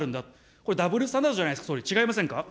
これ、ダブルスタンダードじゃないですか、違いませんか。